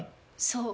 そう。